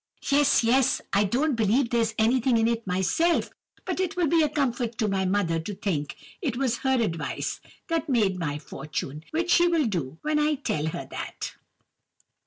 "'Yes—yes! I don't believe there's anything in it myself; but it will be a comfort to my mother to think it was her advice that made my fortune, which she will do when I tell her that!